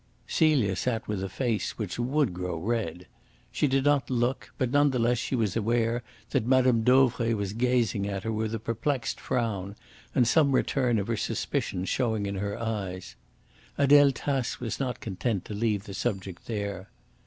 Celia sat with a face which WOULD grow red. She did not look, but none the less she was aware that Mme. Dauvray was gazing at her with a perplexed frown and some return of her suspicion showing in her eyes. Adele Tace was not content to leave the subject there.